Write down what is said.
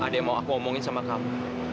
ada yang mau aku omongin sama kamu